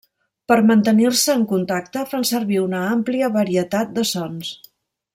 Per mantenir-se en contacte fan servir una àmplia varietat de sons.